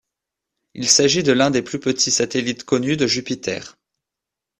Il s'agit de l'un des plus petits satellites connus de Jupiter.